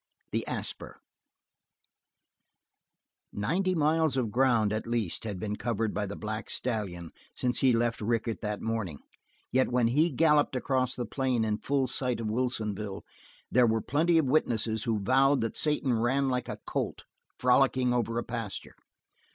The Asper Ninety miles of ground, at least, had been covered by the black stallion, since he left Rickett that morning, yet when he galloped across the plain in full sight of Wilsonville there were plenty of witnesses who vowed that Satan ran like a colt frolicking over a pasture.